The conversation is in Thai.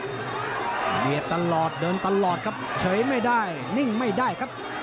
เบียดตลอดเดินตลอดครับเฉยไม่ได้นิ่งไม่ได้ครับ